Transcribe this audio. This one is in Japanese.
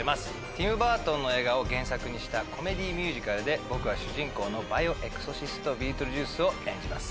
ティム・バートンの映画を原作にしたコメディーミュージカルで僕は主人公のバイオエクソシストビートルジュースを演じます。